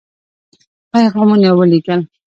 پيغامونه ولېږل.